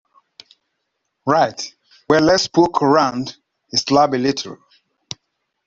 Right, well let's poke around his lab a little.